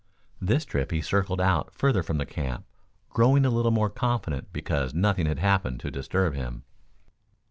This trip he circled out further from the camp, growing a little more confident because nothing had happened to disturb him.